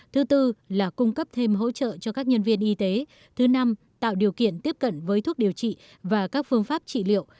thứ tư là cung cấp thêm hỗ trợ cho các nhân viên y tế thứ năm tạo điều kiện tiếp cận với thuốc điều trị và các phương pháp trị liệu